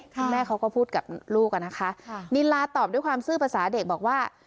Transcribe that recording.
คุณแม่เขาก็พูดกับลูกอะนะคะนิลาตอบด้วยความซื่อภาษาเด็กบอกว่า